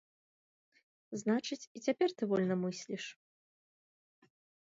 Значыць, і цяпер ты вольна мысліш?